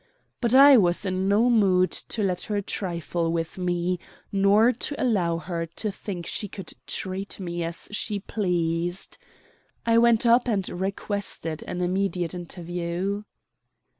But I was in no mood to let her trifle with me nor to allow her to think she could treat me as she pleased. I went up and requested an immediate interview.